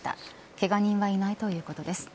けが人はいないということです。